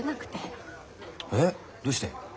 えっどうして？